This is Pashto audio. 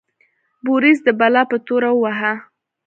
بوریس د بلا په توره وواهه.